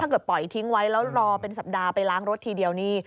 เกิดปล่อยทิ้งไว้แล้วรอเป็นสัปดาห์ไปล้างรถทีเดียวนี่